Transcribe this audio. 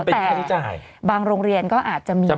แต่บางโรงเรียนก็อาจจะมี